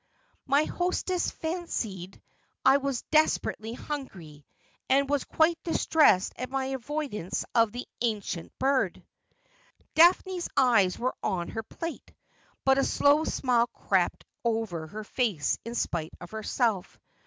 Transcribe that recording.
My hostess fancied I was desperately hungry, and was quite distressed at my avoidance of the ancient bird.' Daphne's eyes were on her plate, but a slow smile crept over her face in spite of herself.